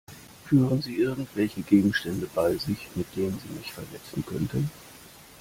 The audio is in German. Führen Sie irgendwelche Gegenstände bei sich, mit denen Sie mich verletzen könnten?